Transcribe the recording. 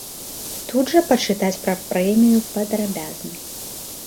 Тут жа пачытаць пра прэмію падрабязна.